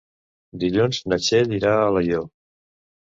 Dilluns na Txell irà a Alaior.